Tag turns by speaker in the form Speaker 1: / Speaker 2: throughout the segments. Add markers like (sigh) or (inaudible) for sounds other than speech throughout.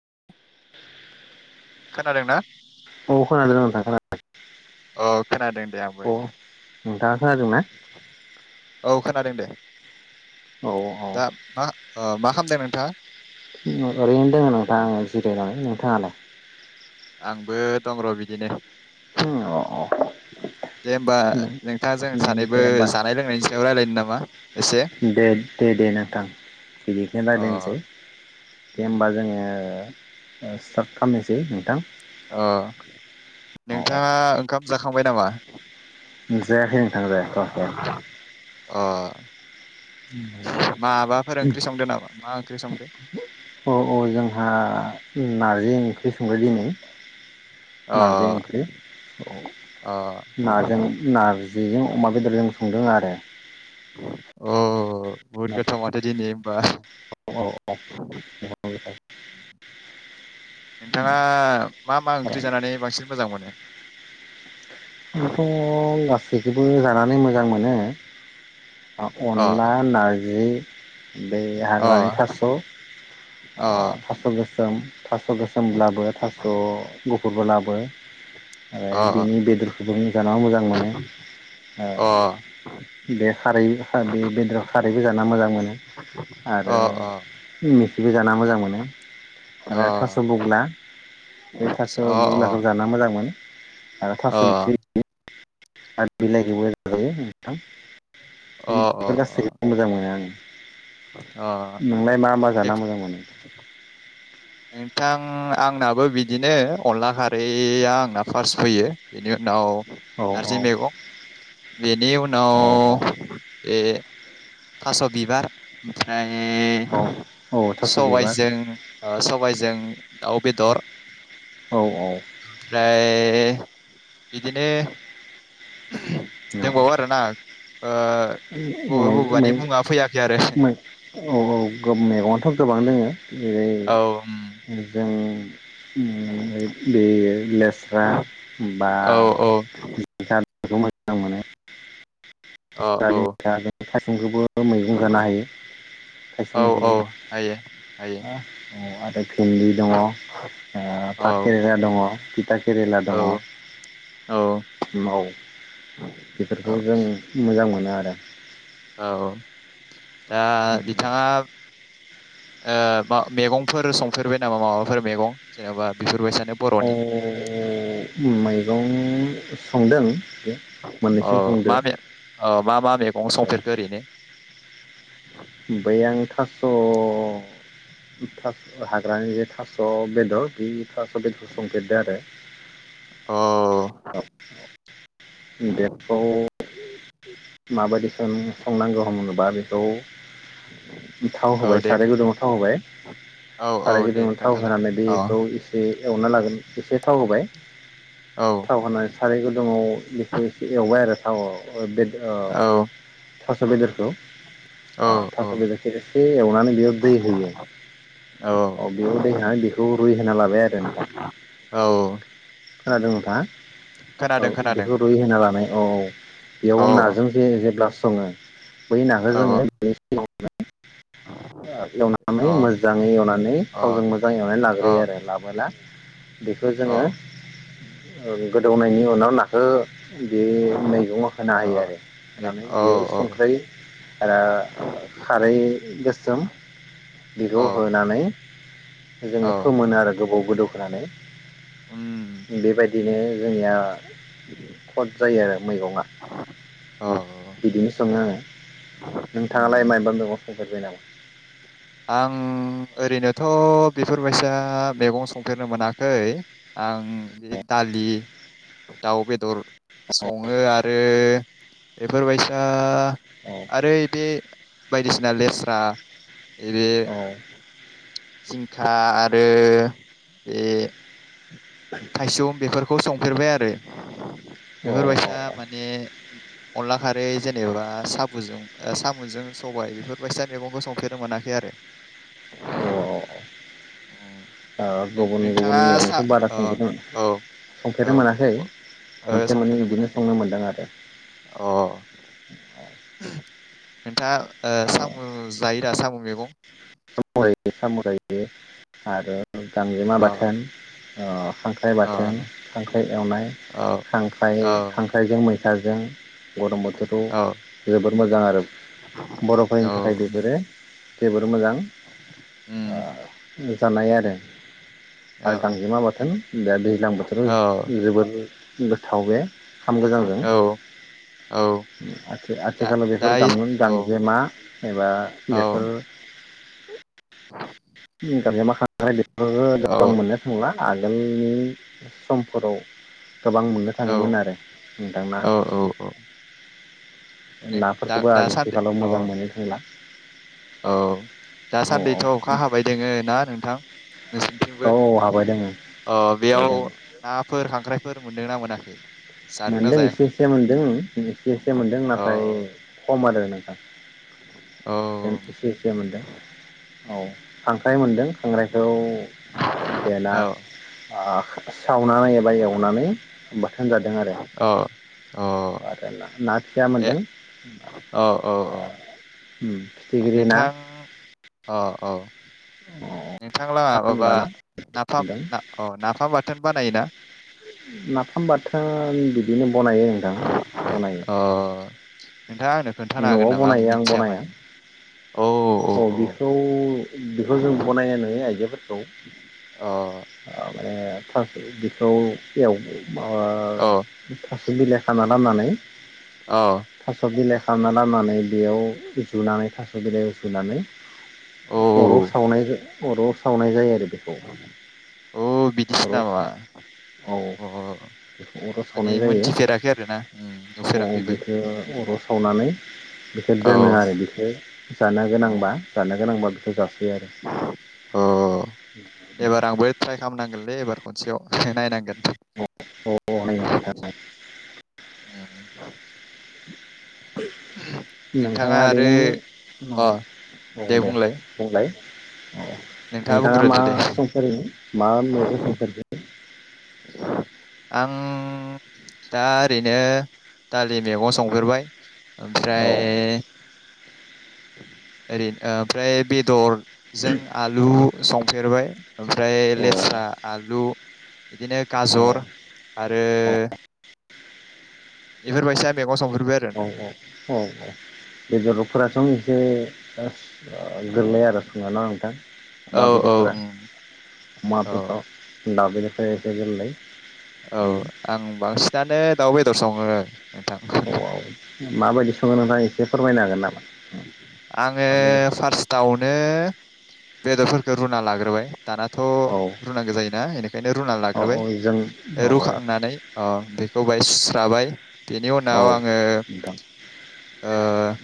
Speaker 1: (inaudible)
Speaker 2: खोनादों ना
Speaker 1: औ खोनादों नोंथां खोनादों।
Speaker 2: अ। खोनादों दे आंबो
Speaker 1: अ
Speaker 2: नोंथां।
Speaker 1: नोंथांङा खोनादों ना?
Speaker 2: औ खोनादों दे।
Speaker 1: औ
Speaker 2: दा मा ओ मा खाम दों नोंथांङा
Speaker 1: ओरैनो दोङो नोंथां जिरायनानै नों थांङालाय
Speaker 2: आंबो दं र' बिदिनो।
Speaker 1: हु अ अ
Speaker 2: दे होमबा नोंथांङा जों
Speaker 1: दे
Speaker 2: सानैबो
Speaker 1: होमबा
Speaker 2: जानाय लोंनायनि सायाव रायलायनो नामा एसे
Speaker 1: दे दे दे नोंथां बिदिखौनो
Speaker 2: अ
Speaker 1: रायज्लायनोसै
Speaker 2: उम्म
Speaker 1: ओ स्टार्ट खालामनोसै नोंथां।
Speaker 2: नोंथांङा ओंखाम जाखांबाय नामा?
Speaker 1: उम जायाखै नोंथां जाथ'याखै।
Speaker 2: अ। माबाफोर ओंख्रि संदो नामा मा ओंख्रि संदो
Speaker 1: अ अ जोंहा ना बे ओंख्रि संग्रा दिनै
Speaker 2: अ
Speaker 1: नारजि ओंख्रि औ
Speaker 2: अ
Speaker 1: नाजों नारजिजों अमा बेदरजों संदों आरो।
Speaker 2: अ। बुहुत
Speaker 1: नाथाय
Speaker 2: गोथाव माथो दिनै होमबा। नोंथांङा मा मा
Speaker 1: औ
Speaker 2: ओंख्रि जानानै बांसिन मोजां मोनो?
Speaker 1: आंथ' गासैखौबो जानानै मोजां मोनो।
Speaker 2: अ
Speaker 1: अनला, नारजि। (inaudible) बे
Speaker 2: अ
Speaker 1: हाग्रानि थास' अ थास' गोसोम थास' गोसोमब्लाबो थास' गुफ फुरबलाबो आरो
Speaker 2: अ
Speaker 1: बिनि बेदर गुं जाना मोजां मोनो ओ
Speaker 2: अ
Speaker 1: बे खारै बे बेदर खारैबो जा मोजां मोनो आरो
Speaker 2: अ अ
Speaker 1: (unintelligible) ना मोजां मोनो
Speaker 2: अ
Speaker 1: आरो थास' बुग्ला बे थास'
Speaker 2: अ
Speaker 1: बुग्लाखौ जाना मोजां मोनो आरो थास'
Speaker 2: अ
Speaker 1: आरो बिलाइखौबो जाजायो। थां बेफोर
Speaker 2: अ
Speaker 1: गासैखौ मोजां मोनो आंङो।
Speaker 2: अ
Speaker 1: नोंलाय मा मा जाना मोजां मोनो
Speaker 2: नोंथां आंनाबो बिदिनो अनला खारैया आंना फार्स्ट फैयो बेनि उनाव
Speaker 1: औ औ
Speaker 2: नारजि मैगं बेनि
Speaker 1: औ
Speaker 2: उनाव बे थास' बिबार ओमफ्राय
Speaker 1: औ औ
Speaker 2: ओइ
Speaker 1: थास' बिबार
Speaker 2: सबाइजों ओ सबाइजों दाउ बेदर।
Speaker 1: औ औ
Speaker 2: ओमफ्राय बिदिनो दोंबावो आरोना ओ ओ
Speaker 1: औ
Speaker 2: बबेबा बबेबानि मुङा फैयाखै आरो।
Speaker 1: औ औ गोब मैगङाथ' गोबां दोङो। जेरै
Speaker 2: औ उम,
Speaker 1: जों ओम बे लेस्रा बा
Speaker 2: औ औ औ औ
Speaker 1: (unintelligible) (unintelligible) (unintelligible) (unintelligible) मैगं जानो हायो,
Speaker 2: औ
Speaker 1: थाइसुम
Speaker 2: औ
Speaker 1: ओंख्रिबो।
Speaker 2: हायो हायो
Speaker 1: अ आदा भिन्दि दङ ओ
Speaker 2: औ
Speaker 1: भात केरेला दङ। टिता केरेला दङ औ
Speaker 2: औ औ
Speaker 1: बेफोरखौ जों मोजां मोनो नो आरो
Speaker 2: औ औ। दा
Speaker 1: औ
Speaker 2: बिथाङा ओ बा मेगंफोर संफेरबाय नामा माबाफोर मेगं जेन'बा बेफोरबायसा
Speaker 1: अ मैगं संदों बे
Speaker 2: औ
Speaker 1: मोननैसो संदो
Speaker 2: माबे औ मा मा मैगं संफेरगो ओरैनो?
Speaker 1: बै आं थास' थास' हाग्रानि जे थास' बेदर बे थास' बेदर संफेरदो आरो।
Speaker 2: अ
Speaker 1: बेखौ माबायदि सों संनांगौ होनोबा बेखौ थाव
Speaker 2: औ
Speaker 1: होबाय
Speaker 2: दे
Speaker 1: साराय गुदुङाव थाव होबाय
Speaker 2: औ औ
Speaker 1: साराय
Speaker 2: दे
Speaker 1: गुदुङाव थाव
Speaker 2: खोन्थालाय
Speaker 1: होनानै
Speaker 2: औ
Speaker 1: बेखौ एसे एवना लागोन एसे थाव होबाय
Speaker 2: औ
Speaker 1: थाव होनानै साराय गुदुङ बेखौ एसे एवबाय आरो थावआव ओ बे थास' बेदरखौ
Speaker 2: औ
Speaker 1: अ
Speaker 2: औ
Speaker 1: थास' बेदरखौ एसे एवनानै बेयाव दै होयो औ बेयाव दै होनानै बेखौ रुइ होना लाबाय आरो नोंथां
Speaker 2: औ
Speaker 1: खोनादों नोंथाङा
Speaker 2: खोनादों
Speaker 1: औ
Speaker 2: खोनादों
Speaker 1: बेखौ रुइ होना लानाय औ औ
Speaker 2: औ
Speaker 1: बेयाव
Speaker 2: औ
Speaker 1: नाजों जों जेब्ला सङो बै नाखो जोङो
Speaker 2: औ
Speaker 1: बिदै
Speaker 2: अ
Speaker 1: एवनानै मोजाङै एवनानै
Speaker 2: अ
Speaker 1: थावजों मोजां एवनानै
Speaker 2: अ
Speaker 1: लाग्रोयो आरो लाबोला बेखौ जोङो
Speaker 2: औ
Speaker 1: गोदौनायनि उनाव ना हो बे मैगं होना होयो आरो होनानै बेयाव
Speaker 2: औ
Speaker 1: संख्रै आरो खारै गोसोम बिखौ
Speaker 2: औ
Speaker 1: होनानै जोङो
Speaker 2: औ
Speaker 1: फोमोनो आरो गोबाव गोदौ
Speaker 2: उम
Speaker 1: होनोनानै बेबायदिनो जोंनिया खट जायो आरो मैगंआ
Speaker 2: औ
Speaker 1: बिदिनो सङो आङो। नोंथाङालाय
Speaker 2: उम
Speaker 1: माबा दङ? संफेरबाय नामा?
Speaker 2: आं ओरैनोथ' बेफोरबायदिया मैगं संफेरनो मोनाखै। आं बे दालि दाउ बेदर बेदर सङो आरो बेफोरबायसा
Speaker 1: औ
Speaker 2: आरो बे बायदिसिना लेस्रा बे
Speaker 1: औ
Speaker 2: जिंखा आरो बे थाइसम बेफोरखौ संफेरबाय आरो
Speaker 1: औ औ
Speaker 2: बेफोरबायसा माने अनला खारै जेनेबा सामुजों ओ सामुजों सबाय बेफोरबायसा मैगंखौ संफेरनो मोनाखै आरो।
Speaker 1: अ।
Speaker 2: उम।
Speaker 1: गुबुन गुबुन मेगंखौ बारा संफेरै
Speaker 2: औ औ
Speaker 1: संफेरनो मोनाखै
Speaker 2: ओ
Speaker 1: मोनसे मोननै
Speaker 2: संफेरनो
Speaker 1: बिदिनो
Speaker 2: मोनाखै
Speaker 1: संनो मोनदों आरो।
Speaker 2: अ नोंथाङा ओ
Speaker 1: औ
Speaker 2: सामु जायोदा सामु मैगं
Speaker 1: (unintelligible) सामु जायो आरो गांजेमा
Speaker 2: अ
Speaker 1: बाथोन अ। खांख्राइ
Speaker 2: अ
Speaker 1: बाथोन खांख्राइ एवनाय
Speaker 2: औ
Speaker 1: ख्रंख्राय
Speaker 2: औ
Speaker 1: खांख्राइजों मै थाजों गरम बोथोराव
Speaker 2: औ
Speaker 1: जोबोद मोजां आरो।
Speaker 2: औ
Speaker 1: बर'फोरनि थाखाय
Speaker 2: उम
Speaker 1: बेफोरो जोबोर मोजां।
Speaker 2: उम
Speaker 1: (unintelligible) जानाय आरो आरो
Speaker 2: औ
Speaker 1: गांजेमा बाथोन बे दैज्लां बोथोराव
Speaker 2: औ
Speaker 1: जोबोर मो थाव बे। खाम गोजांजों
Speaker 2: औ औ
Speaker 1: आथि
Speaker 2: दा
Speaker 1: आथिखालाव बेफोर
Speaker 2: दायो औ
Speaker 1: गां-गांजेमा एबा
Speaker 2: औ
Speaker 1: बेफोर (unintelligible) ओहो
Speaker 2: औ
Speaker 1: गोबां मोननो थांला। आगोलनि समफोराव गोबां मोननो
Speaker 2: औ
Speaker 1: थाङोमोन आरो नोंथांना?
Speaker 2: औ औ औ नै दा
Speaker 1: नाफोरखौबो
Speaker 2: दासान्दि
Speaker 1: आजिथिखालाव
Speaker 2: औ
Speaker 1: मोजां मोनो थांला।
Speaker 2: औ
Speaker 1: औ
Speaker 2: दासान्दैथ'अखा
Speaker 1: औ
Speaker 2: हाबाय दोङो ना नोंथां नोंसोरनिथिंबो
Speaker 1: औ हाबाय दोङो
Speaker 2: अ
Speaker 1: हाबाय
Speaker 2: बेयाव
Speaker 1: दोङो
Speaker 2: नाफोर खांख्राइफोर मोन्दोंना मोनाखै? जादोंना
Speaker 1: मोनदों एसे
Speaker 2: जायाखै
Speaker 1: एसे मोनदों एसे एसे मोनदों
Speaker 2: औ
Speaker 1: नाथाय खम आरो नों
Speaker 2: औ
Speaker 1: (inaudible) इसे इसे मोनदों। औ खां खांख्राइ मोनदों खांख्रायखौ देना
Speaker 2: औ
Speaker 1: ओ सावना एबा एवनानै बाथोन जादों आरो।
Speaker 2: औ अ
Speaker 1: आरो नाफिसा
Speaker 2: ए
Speaker 1: मोनदों
Speaker 2: औ औ औ
Speaker 1: होम
Speaker 2: नोंथां अ औ नोंथांलाङा माबा
Speaker 1: सान्दा ना
Speaker 2: नाफाम
Speaker 1: मोनदों
Speaker 2: ना अ नाफाम बाथोन बानायोना?
Speaker 1: नाफाम बाथोन बिदिनो बनायो नोंथां बनायो।
Speaker 2: अ नोंथाङा आंनो खोन्थानो
Speaker 1: न'आव
Speaker 2: हागोन नामा
Speaker 1: बनायो आं
Speaker 2: मिथिया
Speaker 1: बनाया
Speaker 2: माने
Speaker 1: औ बेखौ बेखौ जों बनायनाय नुयो आइजोफोरखौ
Speaker 2: अ
Speaker 1: (unintelligible) बेखौ (unintelligible) अ थास'बिलाय खानानै फाननानै
Speaker 2: अ
Speaker 1: थास'बिलाय दानना लानानै बेयाव जुनानै थास' बिलाइयाव सुनानै अराव
Speaker 2: औ
Speaker 1: सावनायजो अराव सावनाय जायो आरो बेखौ
Speaker 2: औ बिदिसो
Speaker 1: अराव
Speaker 2: नामा
Speaker 1: औ
Speaker 2: अ
Speaker 1: बेखौ अराव
Speaker 2: माने
Speaker 1: सावनाय जायो
Speaker 2: मोनथिफेराखै आरोना उम
Speaker 1: औ
Speaker 2: नुफेराखैबो
Speaker 1: बेखौ अराव सावनानै बेखौ
Speaker 2: औ
Speaker 1: दोनो आरो बेखौ जानो
Speaker 2: औ
Speaker 1: गोनांबा जानो गोनांबा (unintelligible)
Speaker 2: अ एबार आंबो ट्राय खालामनांगोनलै एबार खनसेयाव। नायनांगोन।
Speaker 1: (unintelligible) (inaudible)
Speaker 2: उम
Speaker 1: नोंथाङा
Speaker 2: आरो
Speaker 1: ओरैनो
Speaker 2: अ
Speaker 1: उनाव औ दे बुंलाय? अ नोंथाङा मा
Speaker 2: बुंग्रोदो दे
Speaker 1: सम फारिनि? मा ओन्नाय जाखो (unintelligible)
Speaker 2: आं दा ओरैनो दालि मैगं संफेरबाय।
Speaker 1: औ
Speaker 2: ओमफ्राय ओरै ओमफ्राय बेदर जों आलु संफेरबाय ओमफ्राय
Speaker 1: औ
Speaker 2: लेस्रा आलु बिदिनो गाजर
Speaker 1: औ
Speaker 2: आरो बेफोरबायसा मैगं संफेरबाय आरो
Speaker 1: औ औ औ बेदरफोरासं' एसे ओ गोरलै आरो संनोना नोंथां
Speaker 2: औ
Speaker 1: अमा
Speaker 2: औ
Speaker 1: बेदरफोरा।
Speaker 2: उम,
Speaker 1: अमा
Speaker 2: औ
Speaker 1: बेद-अ। दाबुनिफ्रायस (unintelligible)
Speaker 2: औ आं बांसिनानो। दाउ बेदर सङो। नोंथां
Speaker 1: अआव माबायदि सङो नोंथां आ एसे फोरमायनो हागोन नामा?
Speaker 2: आङो
Speaker 1: दाउ बेदरखौ
Speaker 2: फार्स्टआवनो। बेदरफोरखौ रुना लाग्रोबाय। दानाथ
Speaker 1: औ
Speaker 2: रुनांगौ जायोना बेनिखायनो रुनानै
Speaker 1: औ
Speaker 2: लाग्रोबाय
Speaker 1: औ जों औ
Speaker 2: ओ-
Speaker 1: औ औ
Speaker 2: रुखांनानै अ- बेखौ बाय सुस राबाय बेनि उनाव आङो
Speaker 1: नोंथां
Speaker 2: ओ-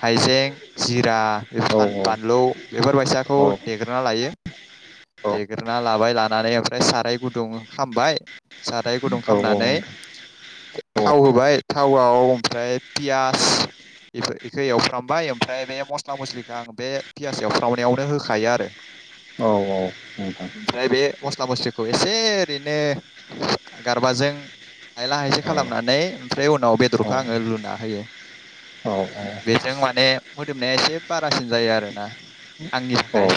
Speaker 2: हाइजें जिर
Speaker 1: औ
Speaker 2: दा बानलु बेफोरबायसाखौ
Speaker 1: औ
Speaker 2: देग्रोनना लायो।
Speaker 1: औ नोंथां
Speaker 2: देग्रोना। लाबाय लानानै ओमफ्राय साराय गुदुं खामबाय। साराय गुदुं
Speaker 1: औ
Speaker 2: खामनानै
Speaker 1: नोंथां औ
Speaker 2: थाव होबाय। थावआव ओमफ्राय पियास बेफोर बेखौ एवफ्रामबाय ओमफ्राय बे मस्ला मस्लिखौ आं बे पियास एवफ्रामनायावनो होखायो आरो। ओमफ्राय बे मस्ला मस्लि। खौ एसे ओरैनो गारबाजों। हायला हायसे खालामनानै ओमफ्राय उनाव बेदरखौ आङो लुना होयो। बेजों माने। मोदोमनाया एसे बारासिन जायो आरोना आंनि थाखाय।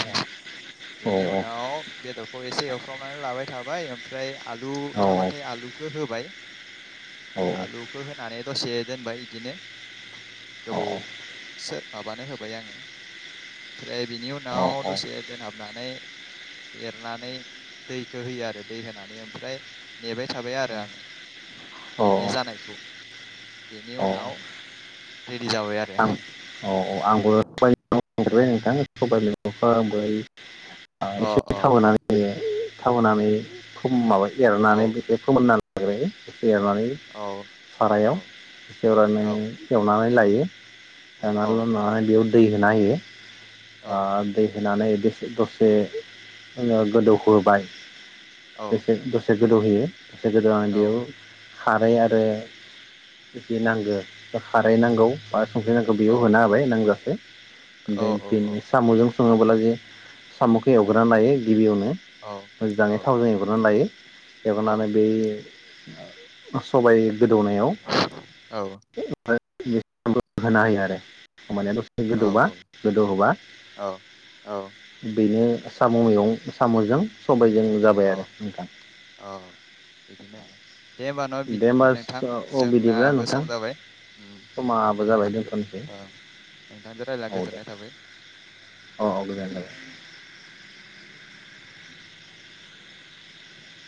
Speaker 2: बेनि उनाव बेदरखौ एसे एवफ्रावनानै लाबाय थाबाय ओमफ्राय आलु
Speaker 1: औ औ
Speaker 2: थाबाथाय आलुखौ होबाय ओमफ्राय आलुखौ होनानै दसे दोनबाय बिदिनो गोबावसो माबानो होबाय आङो ओमफ्राय बिनि उनाव
Speaker 1: औ
Speaker 2: दसे दोनहाब नानै एरनानै दैखौ होयो आरो दै होनानै ओमफ्राय नेबाय थाबाय आरो आङो।
Speaker 1: औ
Speaker 2: बेनि
Speaker 1: औ
Speaker 2: जानायखौ। बेनि
Speaker 1: औ
Speaker 2: उनाव। रेडि जाबाय आरो
Speaker 1: आं औ औ आंबो (unintelligible) (unintelligible)
Speaker 2: अ
Speaker 1: एसे
Speaker 2: अ
Speaker 1: थावहोनानै होयो। थावहोनानै खम माबाय। देरनानै
Speaker 2: औ
Speaker 1: बि फोमोननानै। जाबाय एवनानै
Speaker 2: औ
Speaker 1: सारायाव
Speaker 2: औ
Speaker 1: सेवनानै
Speaker 2: औ
Speaker 1: एवनानै लायो। (unintelligible)
Speaker 2: औ
Speaker 1: दै होना होयो।
Speaker 2: औ
Speaker 1: आ दै। होनानै दसे दसे गोदौहोबाय। दसे दसे
Speaker 2: औ
Speaker 1: गोदौहोयो। (unintelligible) खारै आरो जिजि नांगो खारै नांगौ। संख्रै नांगौ
Speaker 2: औ
Speaker 1: बेयाव होना होबाय नांजासे।
Speaker 2: औ
Speaker 1: बे
Speaker 2: औ औ
Speaker 1: बेनि साम'जों सङोब्ला जे साम'खौ एवग्रोना लायो गिबियावनो मोजाङै थावजों एवग्रोनानै लायो। एवनानै बे सबाइ गोदौनायाव बे (unintelligible) होना होयो आरो होमबानिया दसे गोदौबा गोदौहोबा
Speaker 2: औ औ
Speaker 1: बेनो साम' मैगं साम'जों सबायजों जाबाय
Speaker 2: अ
Speaker 1: आरो नोंथां
Speaker 2: औ बिदिनो होमबा दे होमबा न'
Speaker 1: दे होमबा
Speaker 2: नोंथां
Speaker 1: अ बिदिब्ला
Speaker 2: जोंनाबो सम
Speaker 1: नोंथां
Speaker 2: जाबाय ओम।
Speaker 1: समाबो जाबाय दोनथ'नोसै
Speaker 2: नोंथांजों रायज्लायना
Speaker 1: औ दे
Speaker 2: गोजोननाय थाबाय
Speaker 1: औ औ
Speaker 2: दे
Speaker 1: गोजोननाय थाबाय।